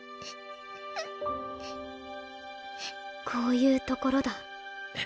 こういうところだ